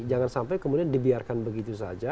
jangan sampai kemudian dibiarkan begitu saja